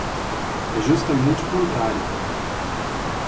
É justamente o contrário.